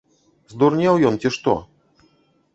Здурнеў ён, ці што?